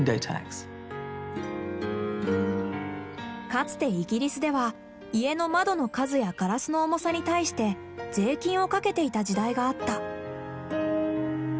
かつてイギリスでは家の窓の数やガラスの重さに対して税金をかけていた時代があった。